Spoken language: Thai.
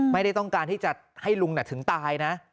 ไม่ได้ต้องการที่จะให้ลุงถึงตายนะ